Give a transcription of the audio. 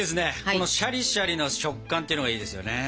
このシャリシャリの食感ってのがいいですよね。